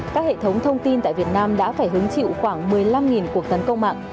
các hệ thống thông tin tại việt nam đã phải hứng chịu khoảng một mươi năm cuộc tấn công mạng